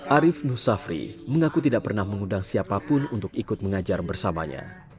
arief nusafri mengaku tidak pernah mengundang siapapun untuk ikut mengajar bersamanya